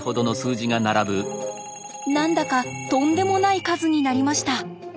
何だかとんでもない数になりました。